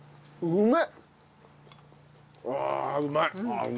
うまい。